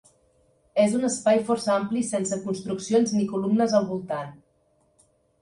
És un espai força ampli sense construccions ni columnes al voltant.